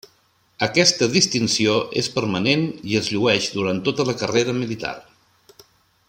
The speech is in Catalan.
Aquesta distinció és permanent i es llueix durant tota la carrera militar.